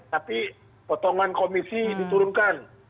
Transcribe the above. tapi potongan komisi diturunkan